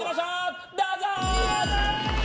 どうぞ！